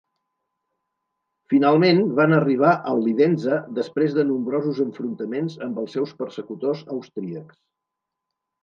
Finalment van arribar al Livenza després de nombrosos enfrontaments amb els seus persecutors austríacs.